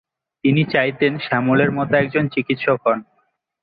তিনি চাইতেন শ্যামল তার মত একজন চিকিৎসক হন।